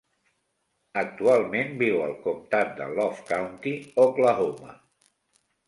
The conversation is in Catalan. Actualment viu al comtat de Love County, Oklahoma.